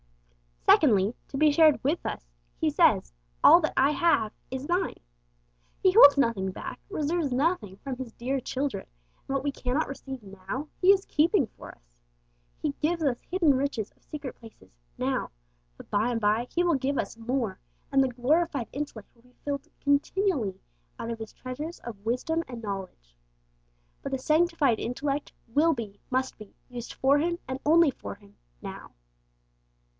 Secondly, to be shared with us. He says, 'All that I have is thine.' He holds nothing back, reserves nothing from His dear children, and what we cannot receive now He is keeping for us. He gives us 'hidden riches of secret places' now, but by and by He will give us more, and the glorified intellect will be filled continually out of His treasures of wisdom and knowledge. But the sanctified intellect will be, must be, used for Him, and only for Him, now!